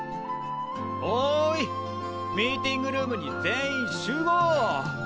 おいミーティングルームに全員集合！